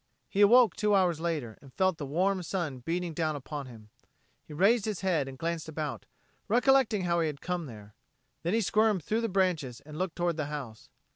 He awoke two hours later, and felt the warm sun beating down upon him. He raised his head and glanced about, recollecting how he had come here. Then he squirmed through the branches and looked toward the house.